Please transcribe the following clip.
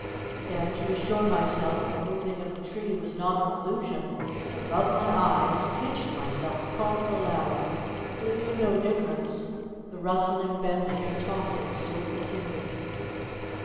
Then to assure myself the moving of the tree was not an illusion, I rubbed my eyes, pinched myself, called aloud; but it made no difference—the rustling, bending, and tossing still continued.